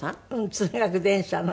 通学電車の。